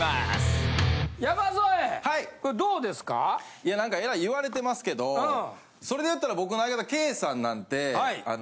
いや何かえらい言われてますけどそれでいったら僕の相方ケイさんなんてあの。